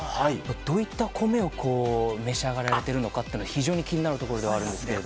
どういった米を召し上がられているかは非常に気になるところではあるんですけれども。